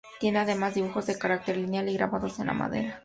Tiene además dibujos de carácter lineal y grabados en la madera.